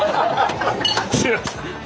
すみません。